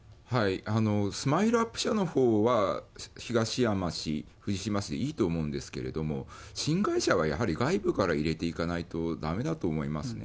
スマイルアップ社のほうは東山氏、藤島氏でいいと思うんですけれども、新会社はやはり外部から入れていかないとだめだと思いますね。